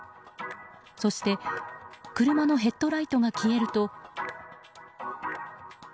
そして、車のヘッドライトが消えると。